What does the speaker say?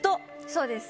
そうです。